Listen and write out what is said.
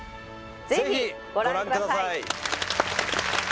ぜひご覧ください